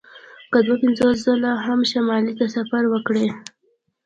که دوی پنځوس ځله هم شمال ته سفر وکړي